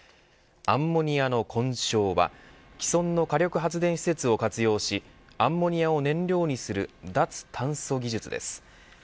アンモニアの混焼は既存の火力発電施設を活用しアンモニアを燃料にする脱炭素技術です。